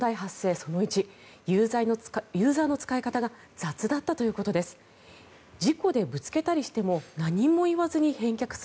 その１ユーザーの使い方が雑だったということです。